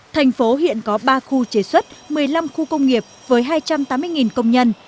thành phố hiện có ba khu chế xuất một mươi năm khu công nghiệp với hai trăm tám mươi công nhân